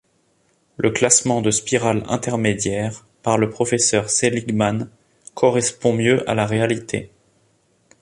Le classement de spirale intermédiaire par le professeur Seligman correspond mieux à la réalité.